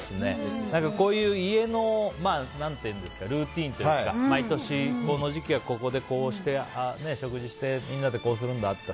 こういう家のルーティンというか毎年この時期はここでこうして食事してみんなでこうするんだって。